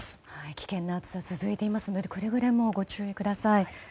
危険な暑さが続いていますのでくれぐれもご注意ください。